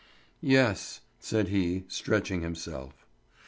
"Yes!" said he, stretching himself.